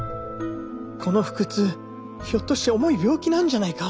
この腹痛ひょっとして重い病気なんじゃないか。